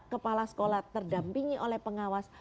kepala sekolah terdampingi oleh pengawas